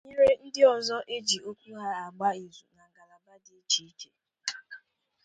tinyere ndị ọzọ e ji okwu ha agba ìzù na ngalaba dị iche iche.